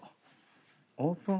オープン。